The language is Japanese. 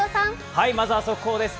まずは速報です。